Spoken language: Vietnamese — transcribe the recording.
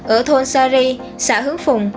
ở thôn sari xã hướng phùng